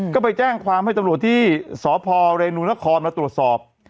ก็ไปแจ้งความให้ตำรวจที่สพเรนูนครมาตรวจสอบ